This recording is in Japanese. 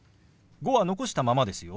「５」は残したままですよ。